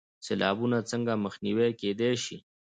سیلابونه څنګه مخنیوی کیدی شي؟